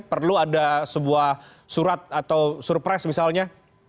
perlu ada sebuah surat atau surprise misalnya